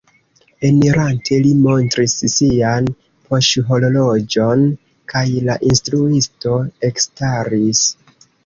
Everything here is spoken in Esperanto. Enirante li montris sian poŝhorloĝon kaj la instruisto ekstaris.